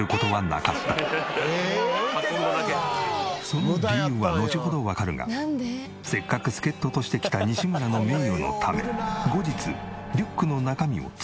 その理由はのちほどわかるがせっかく助っ人として来た西村の名誉のため後日リュックの中身を追撮した。